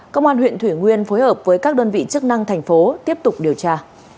công an huyện thủy nguyên phối hợp với các đơn vị chức năng thành phố tiếp tục điều tra